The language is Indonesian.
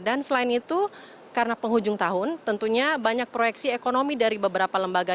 dan selain itu karena penghujung tahun tentunya banyak proyeksi ekonomi dari beberapa lembaga